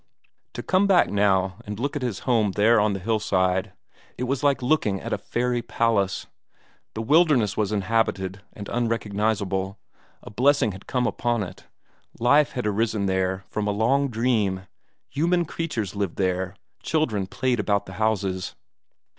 To come back now and look at his home there on the hillside, it was like looking at a fairy palace. The wilderness was inhabited and unrecognizable, a blessing had come upon it, life had arisen there from a long dream, human creatures lived there, children played about the houses.